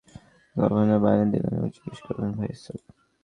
তারপর তিনি তাকে হিমস নগরীর গভর্নর বানিয়ে দিলেন এবং জিজ্ঞেস করলেন, ভাই সাঈদ!